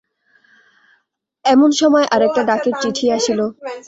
এমন সময় আর-একটা ডাকের চিঠি আসিল।